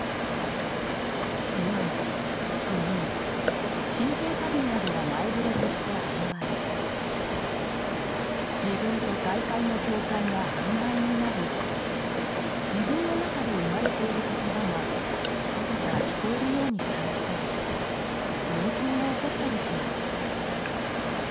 不安不眠神経過敏などが前触れとして現れ自分と外界の境界が曖昧になり自分の中で生まれている言葉が外から聞こえるように感じたり妄想が起こったりします。